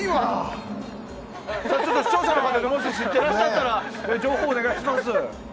視聴者の方でもし知っていらっしゃったら情報をお願いします。